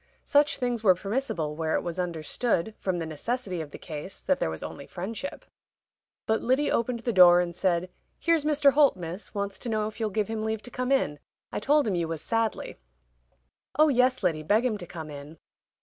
Such things were permissible where it was understood, from the necessity of the case, that there was only friendship. But Lyddy opened the door and said, "Here's Mr. Holt, Miss, wants to know if you'll give him leave to come in. I told him you was sadly." "Oh, yes, Lyddy, beg him to come in."